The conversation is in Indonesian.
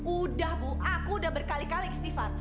udah bu aku udah berkali kali istighfar